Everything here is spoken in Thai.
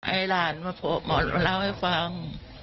ไอ้หลานมาพบหมอมาเล่าให้ฟัง